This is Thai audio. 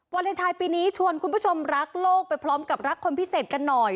เลนไทยปีนี้ชวนคุณผู้ชมรักโลกไปพร้อมกับรักคนพิเศษกันหน่อย